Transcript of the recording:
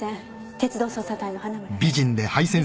鉄道捜査隊の花村です。